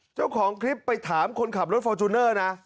เจ้าของคลิปไปถามคนขับรถฟอร์จูเนอร์นะ